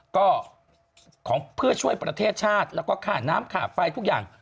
ก็ของเพื่อช่วยประเทศชาติแล้วก็ค่าน้ำค่าไฟทุกอย่าง